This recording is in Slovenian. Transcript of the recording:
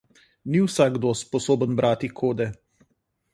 Ni vsakdo sposoben brati kode.